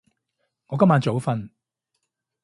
我今晚早瞓